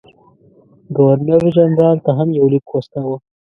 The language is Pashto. ګورنر جنرال ته هم یو لیک واستاوه.